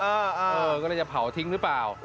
ก็เลยจะเผาทิ้งหรือเปล่า